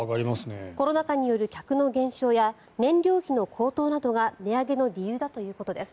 コロナ禍による客の減少や燃料費高騰などが値上げの理由だということです。